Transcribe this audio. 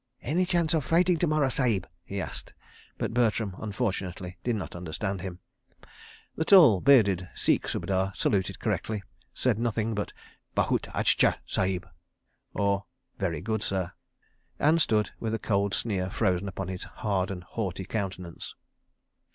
"Any chance of fighting to morrow, Sahib?" he asked, but Bertram, unfortunately, did not understand him. The tall, bearded Sikh Subedar saluted correctly, said nothing but "Bahut achcha, Sahib," and stood with a cold sneer frozen upon his hard and haughty countenance.